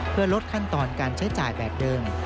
เพื่อลดขั้นตอนการใช้จ่ายแบบเดิม